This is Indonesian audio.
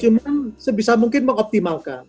cuma sebisa mungkin mengoptimalkan